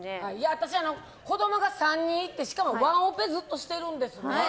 うちは子供が３人いてしかもワンオペずっとしてるんですね。